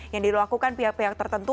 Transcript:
yang dilakukan pihak pihak tertentu